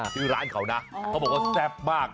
ชื่อร้านเขานะเขาบอกว่าแซ่บมาก